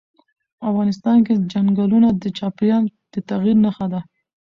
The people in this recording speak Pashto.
افغانستان کې چنګلونه د چاپېریال د تغیر نښه ده.